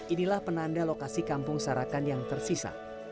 inilah penanda lokasi kampung sarakan yang tersisa